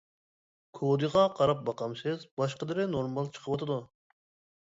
كودىغا قاراپ باقامسىز؟ باشقىلىرى نورمال چىقىۋاتىدۇ.